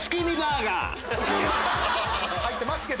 入ってますけど。